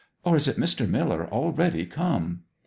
Or is it Mr. Miller already come?'